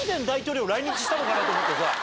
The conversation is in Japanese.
したのかなと思ってさ。